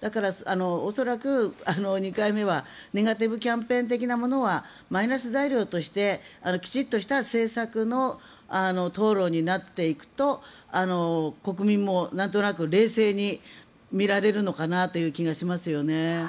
だから、恐らく２回目はネガティブキャンペーン的なものはマイナス材料としてきちんとした政策の討論になっていくと国民もなんとなく冷静に見られるのかなという気がしますよね。